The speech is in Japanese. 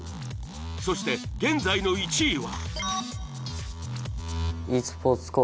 そして現在の１位は。